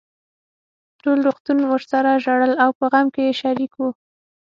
ټول روغتون ورسره ژړل او په غم کې يې شريک وو.